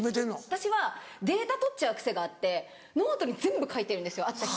私はデータ取っちゃう癖があってノートに全部書いてるんですよ会った人。